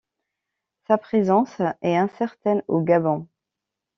Sa présence est incertaine au Gabon.